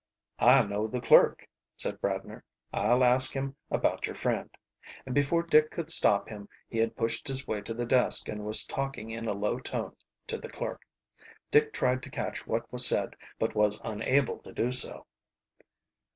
"I know the clerk," said Bradner. "I'll ask him about your friend." And before Dick could stop him he had pushed his way to the desk and was talking in a low tone to the clerk. Dick tried to catch what was said, but was unable to do so.